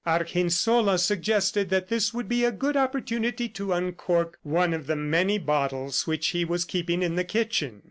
Argensola suggested that this would be a good opportunity to uncork one of the many bottles which he was keeping in the kitchen.